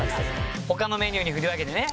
他のメニューに振り分けてね